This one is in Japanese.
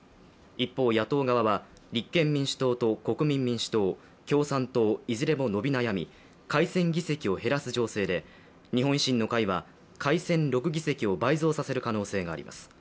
一方、野党側は立憲民主党と国民民主党共産党いずれも伸び悩み改選議席を減らす情勢で日本維新の会は改選６議席を倍増させる可能性があります。